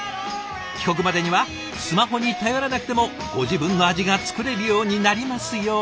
帰国までにはスマホに頼らなくてもご自分の味が作れるようになりますように！